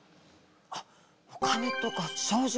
あっお金とか賞状。